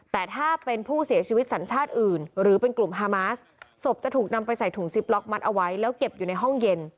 แต่ถ้าเป็นผู้เสียชีวิตสัญชาติอื่นหรือเป็นกลุ่มฮามาสศพจะถูกนำไปใส่ถุงซิปล็อกมัดเอาไว้แล้วเก็บอยู่ในห้องเย็น